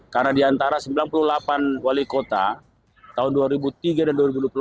karena di antara sembilan puluh delapan wali kota tahun dua ribu tiga dan dua ribu dua puluh empat